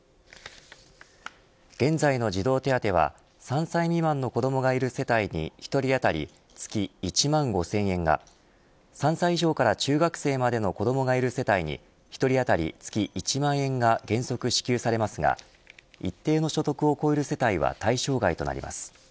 現在の児童手当は３歳未満の子どもがいる世帯に１人当たり月１万５０００円が３歳以上から中学生までの子どもがいる世帯に１人当たり月１万円が原則支給されますが一定の所得を超える世帯は対象外となります。